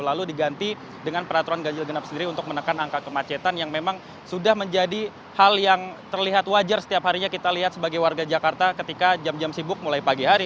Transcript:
lalu diganti dengan peraturan ganjil genap sendiri untuk menekan angka kemacetan yang memang sudah menjadi hal yang terlihat wajar setiap harinya kita lihat sebagai warga jakarta ketika jam jam sibuk mulai pagi hari